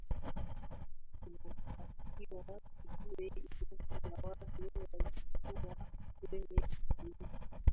inatakiwa tujue idadi ya watu waliyokuwa kwenye titanic